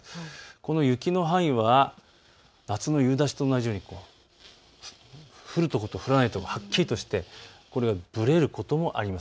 この雪の範囲は夏の夕立と同じように降る所と降らない所はっきりとしてこれがぶれることもあります。